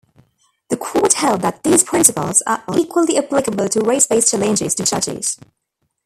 The Court held that these principles are equally applicable to race-based challenges to judges.